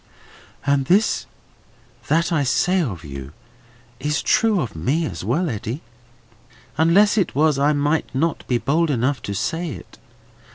"All this that I say of you is true of me as well, Eddy. Unless it was, I might not be bold enough to say it.